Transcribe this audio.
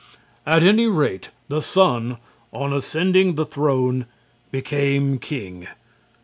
At any rate, the son, on ascending the throne, became king.